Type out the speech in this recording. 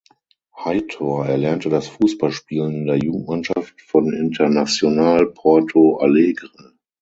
Heitor erlernte das Fußballspielen in der Jugendmannschaft von Internacional Porto Alegre.